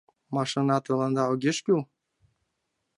— Машина тыланда огеш кӱл.